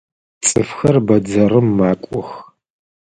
Цӏыфхэр бэдзэрым макӏох.